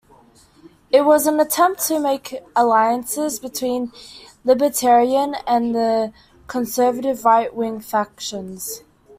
It was an attempt to make alliances between libertarian and the conservative right-wing factions.